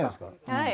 はい。